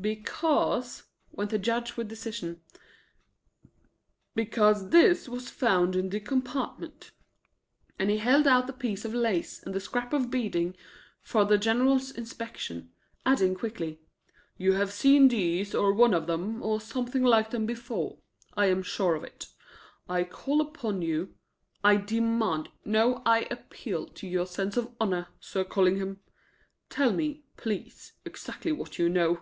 "Because," went on the Judge with decision "because this was found in the compartment;" and he held out the piece of lace and the scrap of beading for the General's inspection, adding quickly, "You have seen these, or one of them, or something like them before. I am sure of it; I call upon you; I demand no, I appeal to your sense of honour, Sir Collingham. Tell me, please, exactly what you know."